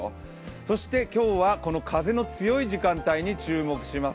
そして今日はこの風の強い時間帯に注目します。